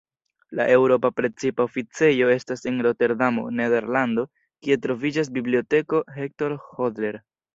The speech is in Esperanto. La eŭropa precipa oficejo estas en Roterdamo, Nederlando, kie troviĝas Biblioteko Hector Hodler.